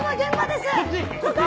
ここ！